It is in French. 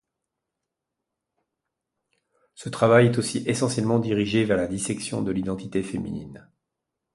Ce travail est aussi essentiellement dirigé vers la dissection de l’identité féminine.